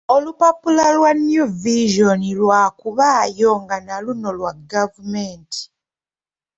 Olupapula lwa New Vision lwakubaayo nga na luno lwa gavumenti.